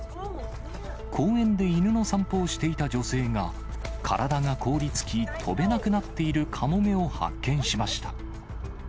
公園で犬の散歩をしていた女性が、体が凍りつき、飛べなくなっているカモメを発見しました。